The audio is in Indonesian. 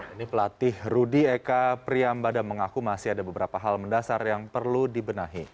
ini pelatih rudy eka priyambada mengaku masih ada beberapa hal mendasar yang perlu dibenahi